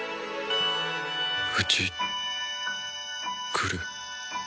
うち来る？